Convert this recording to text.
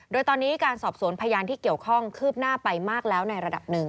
โดยตอนนี้การสอบสวนพยานที่เกี่ยวข้องคืบหน้าไปมากแล้วในระดับหนึ่ง